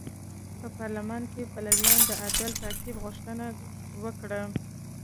په پارلمان کې پلویانو د عدلي تعقیب غوښتنه وکړه.